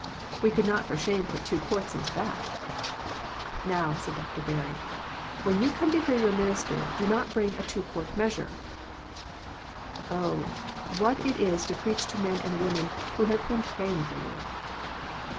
We could not for shame put two quarts into that." "JSTow," said Dr. Berry, " when you come to hear your minister, do not bring a two quart measure !" Oh, what it is to preach to men and women who have been praying for you.